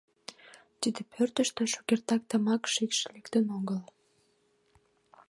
— Тиде пӧртыштӧ шукертак тамак шикш лектын огыл...